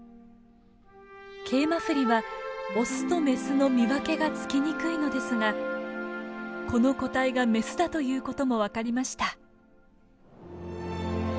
ケイマフリはオスとメスの見分けがつきにくいのですがこの個体がメスだということも分かりました。